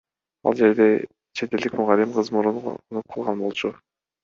Ал жерде чет элдик мугалим кыз мурун конуп калган болчу.